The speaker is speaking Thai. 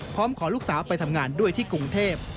ขอลูกสาวไปทำงานด้วยที่กรุงเทพ